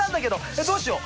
えっどうしよう。